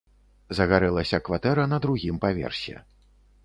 Загарэлася кватэра на другім паверсе.